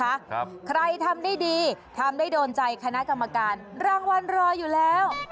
ครับใครทำได้ดีทำได้โดนใจคณะกรรมการรางวัลรออยู่แล้ว